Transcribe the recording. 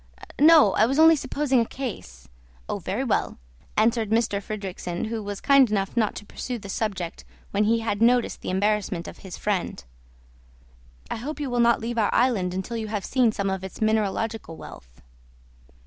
"No; I was only supposing a case." "Oh, very well," answered M. Fridrikssen, who was kind enough not to pursue the subject when he had noticed the embarrassment of his friend. "I hope you will not leave our island until you have seen some of its mineralogical wealth."